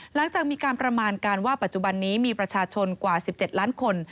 หลังจากมีการประมาณการว่าปัจจุบันนี้มีประชาชนกว่า๑๗ล้านคน